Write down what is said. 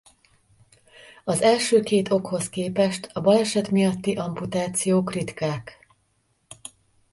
Az első két okhoz képest a baleset miatti amputációk ritkák.